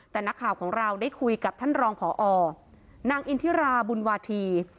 แต่นักข่าวของเราได้คุยกับท่านรองพอนางอินทิราบุญวาธี